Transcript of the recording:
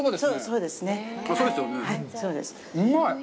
うまい！